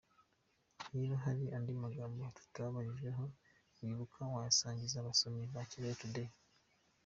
Niba hari andi magambo tutabagejejeho wibuka wayasangiza abasomyi ba Kigali Tudeyi.